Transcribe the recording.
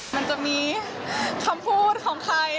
มันจะมีคำพูดของใคร